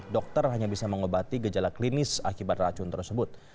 dokter hanya bisa mengobati gejala klinis akibat racun tersebut